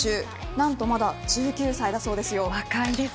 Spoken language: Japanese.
なんとまだ１９歳だそうですよ。